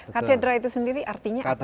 katedra itu sendiri artinya apa ya